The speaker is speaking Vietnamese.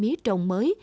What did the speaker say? mía trồng mới